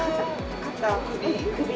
肩、首。